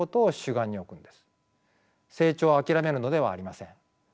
成長を諦めるのではありません。